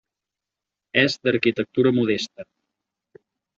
És d'arquitectura modesta.